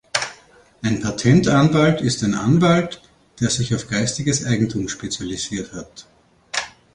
Ein Patentanwalt ist ein Anwalt, der sich auf geistiges Eigentum spezialisiert hat.